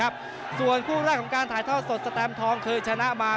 ครับส่วนผู้แรกของการถ่ายเทาสดสแตมทองคือชนะมา